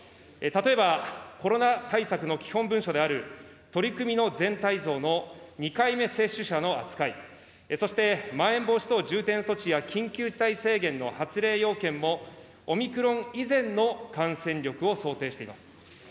例えば、コロナ対策の基本文書である取組の全体像の２回目接種者の扱い、そして、まん延防止等重点措置や緊急事態宣言の発令要件もオミクロン以前の感染力を想定しています。